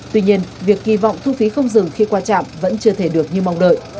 tuy nhiên việc kỳ vọng thu phí không dừng khi qua trạm vẫn chưa thể được như mong đợi